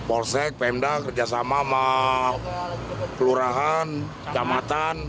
polsek pemda kerjasama sama pelurahan kamatan